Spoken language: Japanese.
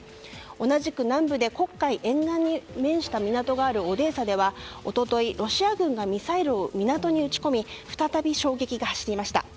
同じく南部で黒海沿岸に面した港があるオデーサでは一昨日ロシア軍がミサイルを港に撃ち込み再び衝撃が走りました。